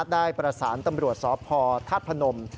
ได้ประสานตำรวจสพธาตุพนม